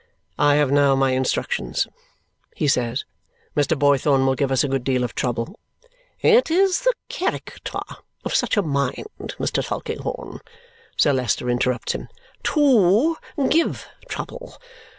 "I have now my instructions," he says. "Mr. Boythorn will give us a good deal of trouble " "It is the character of such a mind, Mr. Tulkinghorn," Sir Leicester interrupts him, "TO give trouble.